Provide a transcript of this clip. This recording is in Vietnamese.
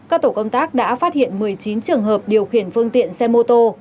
các tổ công tác đã phát hiện một mươi chín trường hợp điều khiển ô tô